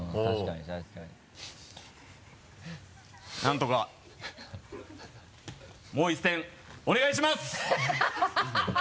なんとかもう１戦お願いします。